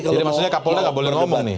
jadi maksudnya kapolda tidak boleh ngomong